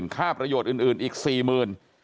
ค่าประโยชน์อื่นอีก๔๐๐๐บาท